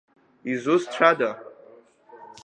Изусҭцәада?